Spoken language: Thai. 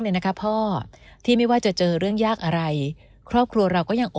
เลยนะคะพ่อที่ไม่ว่าจะเจอเรื่องยากอะไรครอบครัวเราก็ยังโอ